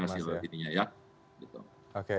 kalau di benefit dari hasilnya